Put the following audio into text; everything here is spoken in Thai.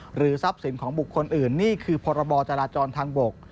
หรือทรัพย์สินของบุคคลอื่นนี่คือพรบจราจรทางบก